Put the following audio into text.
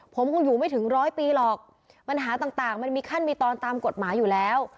ผมคงอยู่ไม่ถึงร้อยปีหรอกปัญหาต่างมันมีขั้นมีตอนตามกฎหมายอยู่แล้ว